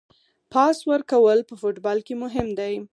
پاس ورکول په فوټبال کې مهم دي.